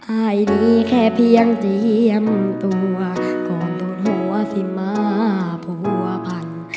อายดีแค่เพียงเจียมตัวก่อนโทษสิมมาผัน